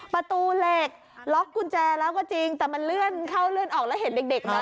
ประตูเหล็กล็อกกุญแจแล้วก็จริงแต่มันเลื่อนเข้าเลื่อนออกแล้วเห็นเด็กนะ